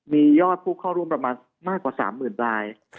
มียอดผู้เข้าร่วมมากกว่า๓๐๐๐๐ราย